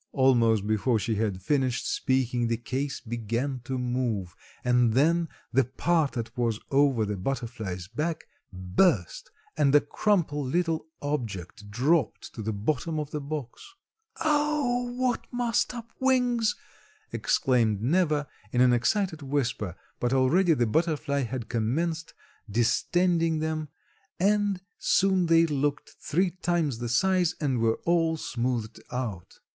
Almost before she had finished speaking the case began to move and then the part that was over the butterfly's back burst and a crumpled little object dropped to the bottom of the box. "Oh, what mussed up wings!" exclaimed Neva in an excited whisper, but already the butterfly had commenced distending them and soon they looked three times the size and were all smoothed out.